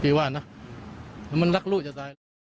พี่ว่าน่ะมันรักลูกจะตาย